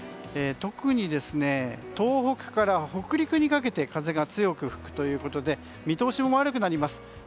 特に東北から北陸にかけて風が強く吹くということで見通しも悪くなります。